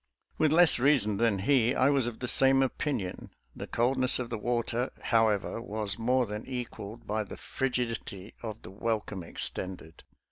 With less reason than he, I was of the same opinion. The coldness of the water, however, was more than equaled by the frigidity of the welcome extended.